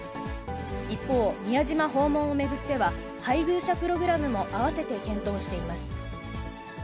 一方、宮島訪問を巡っては、配偶者プログラムも併せて検討しています。